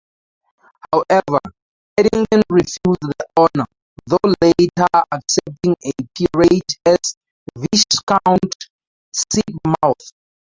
However, Addington refused the honour, though later accepting a peerage as Viscount Sidmouth.